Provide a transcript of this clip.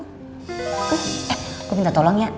eh gue minta tolong ya